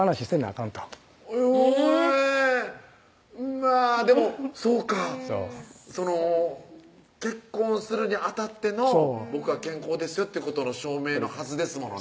かんとえぇまぁでもそうかその結婚するにあたっての僕は健康ですよっていうことの証明のはずですものね